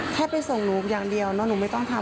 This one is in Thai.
แค่ไปส่งหนูอย่างเดียวเนอะหนูไม่ต้องทำ